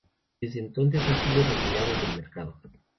Desde entonces ha sido retirado del mercado.